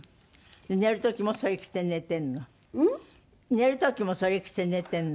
寝る時もそれ着て寝てるの？